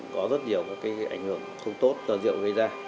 có rất nhiều ảnh hưởng không tốt cho rượu gây ra